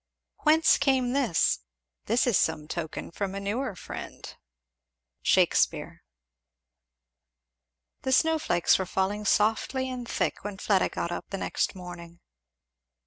Whence came this? This is some token from a newer friend. Shakspeare. The snow flakes were falling softly and thick when Fleda got up the next morning.